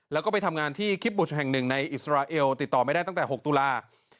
แล้วก็ไปทำงานที่คิปบุชแห่งหนึ่งในอิสราเอลติดต่อไม่ได้ตั้งแต่๖ตุลา